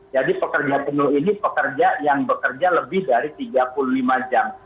jadi pekerja penuh ini pekerja yang bekerja lebih dari tiga puluh lima jam